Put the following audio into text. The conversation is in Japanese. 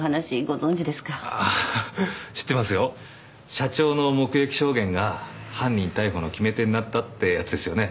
社長の目撃証言が犯人逮捕の決め手になったってやつですよね。